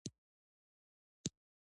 د وریجو کرنه ډیرو اوبو ته اړتیا لري.